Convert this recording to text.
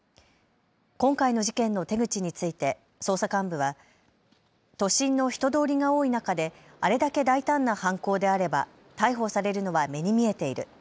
今回の事件の手口について捜査幹部は都心の人通りが多い中であれだけ大胆な犯行であれば逮捕されるのは目に見えている。